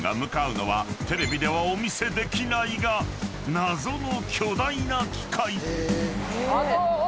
［テレビではお見せできないが謎の巨大な機械］